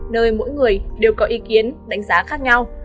nơi mỗi người đều có ý kiến đánh giá khác nhau